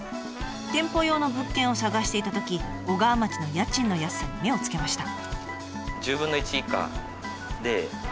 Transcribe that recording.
店舗用の物件を探していたとき小川町の家賃の安さに目をつけました。